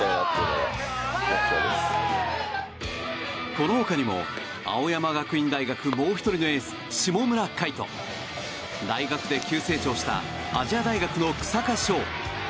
この他にも、青山学院大学もう１人のエース下村海翔。大学で急成長した亜細亜大学の草加勝。